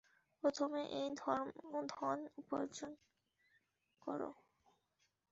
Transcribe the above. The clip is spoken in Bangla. প্রথমে এই ধর্মধন উপার্জন কর।